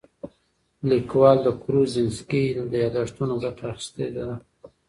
لیکوال د کروزینسکي له یادښتونو ګټه اخیستې ده.